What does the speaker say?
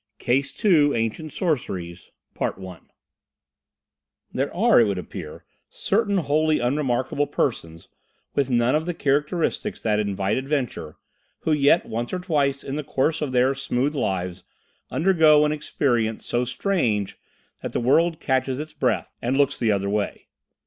CASE II: ANCIENT SORCERIES I There are, it would appear, certain wholly unremarkable persons, with none of the characteristics that invite adventure, who yet once or twice in the course of their smooth lives undergo an experience so strange that the world catches its breath—and looks the other way!